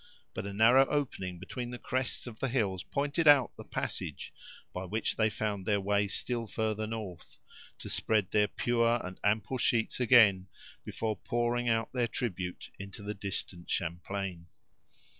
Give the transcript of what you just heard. But a narrow opening between the crests of the hills pointed out the passage by which they found their way still further north, to spread their pure and ample sheets again, before pouring out their tribute into the distant Champlain.